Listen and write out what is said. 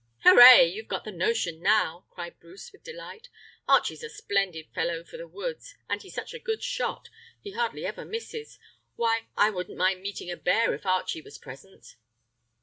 "Hooray! You've got the notion now," cried Bruce with delight. "Archie's a splendid fellow for the woods, and he's such a good shot; he hardly ever misses. Why, I wouldn't mind meeting a bear if Archie was present."